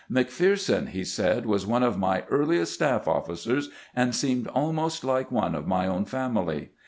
" McPherson," he said, " was one of my earliest staff ofl&cers, and seemed almost like one of my own family.